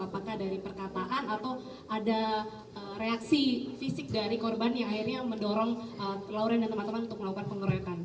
apakah dari perkataan atau ada reaksi fisik dari korban yang akhirnya mendorong lauren dan teman teman untuk melakukan pengeroyokan